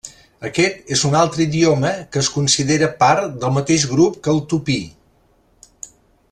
Aquest és un altre idioma que es considera part del mateix grup que el tupí.